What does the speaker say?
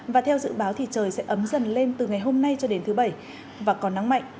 và theo dự báo thì trời sẽ ấm dần lên từ ngày hôm nay cho đến thứ bảy và có nắng mạnh